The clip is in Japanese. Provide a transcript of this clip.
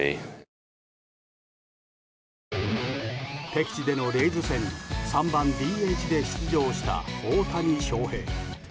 敵地でのレイズ戦に３番ＤＨで出場した大谷翔平。